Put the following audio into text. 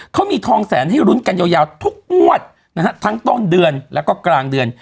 เขามีทองแสนให้ลุ้นกันยาวทุกงวดนะฮะทั้งต้นเดือนแล้วก็กลางเดือน